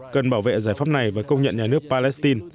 cần bảo vệ giải pháp này và công nhận nhà nước palestine